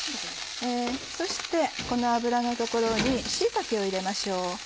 そしてこの油の所に椎茸を入れましょう。